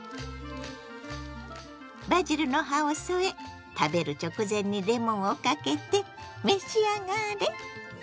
バジルの葉を添え食べる直前にレモンをかけて召し上がれ！